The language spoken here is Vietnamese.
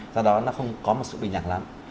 do đó nó không có một sự bình đẳng lắm